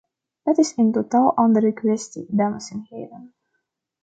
Dat is een totaal andere kwestie, dames en heren.